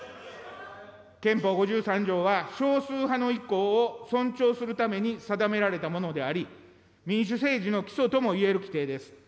憲法５３条は少数派の意向を尊重するために定められたものであり、民主政治の基礎ともいえる規定です。